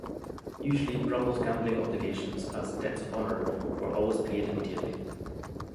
Usually Brummell's gambling obligations, as "debts of honour", were always paid immediately.